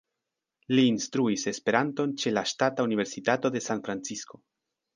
Li instruis Esperanton ĉe la Ŝtata Universitato de San-Francisko.